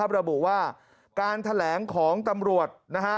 ระบุว่าการแถลงของตำรวจนะฮะ